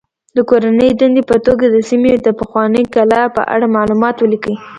د کورنۍ دندې په توګه د سیمې د پخوانۍ کلا په اړه معلومات ولیکئ.